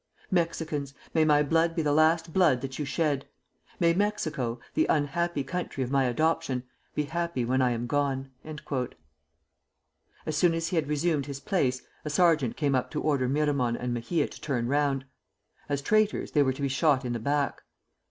Mexicans! may my blood be the last blood that you shed; may Mexico, the unhappy country of my adoption, be happy when I am gone!" As soon as he had resumed his place, a sergeant came up to order Miramon and Mejia to turn round. As traitors, they were to be shot in the back.